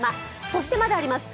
そしてまだあります